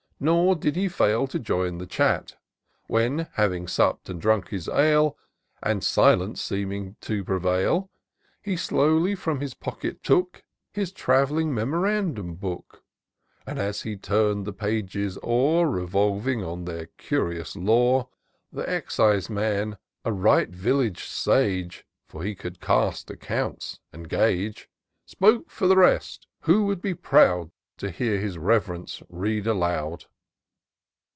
Nor did he fail to join the chat ; When, having supp'd, and drunk his ale^ And silence seeming to prevail, He slowly from his pocket took His travlling memorandum book ; And, as he tum'd the pages o'er, Revolving on their curious lore, Th' exciseman, a right village sage, (For he could cast accounts and gauge,) Spoke for the rest — ^who would be proud To hear his Rev'rence read aloud.